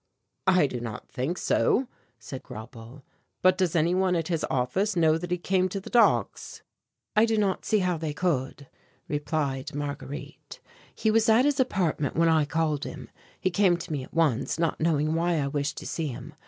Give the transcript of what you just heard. "I do not think so," said Grauble, "but does any one at his office know that he came to the docks?" "I do not see how they could," replied Marguerite; "he was at his apartment when I called him. He came to me at once, not knowing why I wished to see him.